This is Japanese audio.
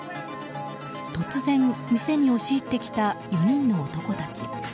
突然、店に押し入ってきた４人の男たち。